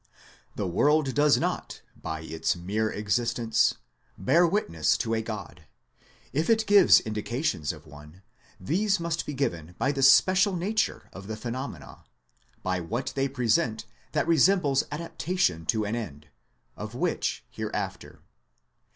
The world does not, by its mere existence, bear witness to a God : if it gives indications of one, these must be given by the special nature of the phenomena, by what they pre sent that resembles adaptation to an end : of which hereafter.